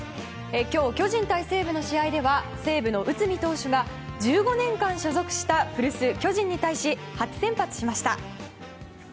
今日、巨人対西武の試合では西武の内海投手が１５年間所属した古巣巨人に対し初先発しました。